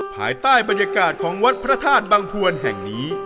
ภายใต้บรรยากาศของวัดพระธาตุบังพวนแห่งนี้